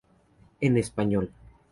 En español